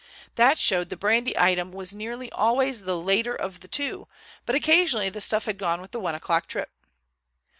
That showed the brandy item was nearly always the later of the two, but occasionally the stuff had gone with the one o'clock trip.